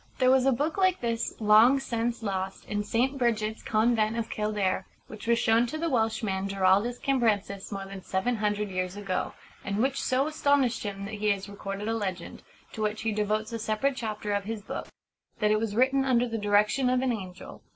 There was a book like this, long since lost, in St. Brigit's convent of Kildare, which was shown to the Welshman Giraldus Cambrensis more than seven hundred years ago, and which so astonished him that he has recorded a legend to which he devotes a separate chapter of his book that it was written under the direction of an angel.